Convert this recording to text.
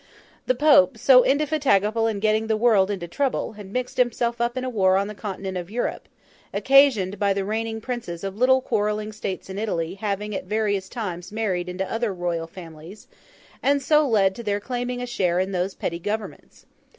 The Pope, so indefatigable in getting the world into trouble, had mixed himself up in a war on the continent of Europe, occasioned by the reigning Princes of little quarrelling states in Italy having at various times married into other Royal families, and so led to their claiming a share in those petty Governments.